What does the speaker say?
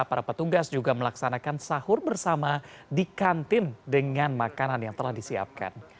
para petugas juga melaksanakan sahur bersama di kantin dengan makanan yang telah disiapkan